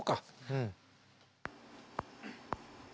うん。